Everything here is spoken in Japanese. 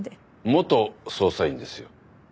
元捜査員ですよ。